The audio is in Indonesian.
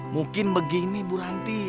mungkin begini bu ranti